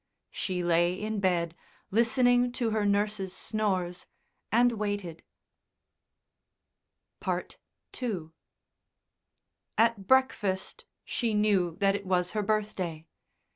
She lay in bed, listening to her nurse's snores, and waited. II At breakfast she knew that it was her birthday.